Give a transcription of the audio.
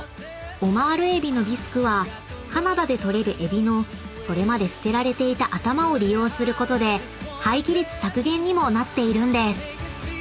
オマール海老のビスクはカナダで取れる海老のそれまで捨てられていた頭を利用することで廃棄率削減にもなっているんです］